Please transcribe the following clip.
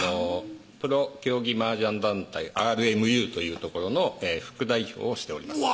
プロ競技麻雀団体ＲＭＵというところの副代表をしております